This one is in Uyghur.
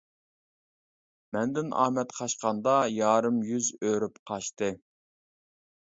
مەندىن ئامەت قاچقاندا، يارىم يۈز ئۆرۈپ قاچتى.